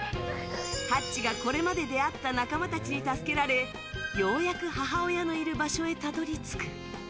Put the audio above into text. ハッチがこれまで出会った仲間たちに助けられようやく母親のいる場所へたどり着く。